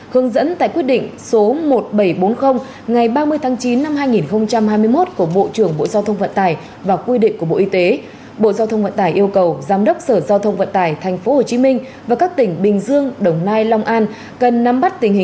hướng dẫn tại quyết định số một nghìn bảy trăm bốn mươi ngày ba mươi tháng chín năm hai nghìn một mươi chín